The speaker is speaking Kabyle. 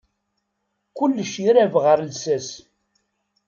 Kullec irab ɣar lsas.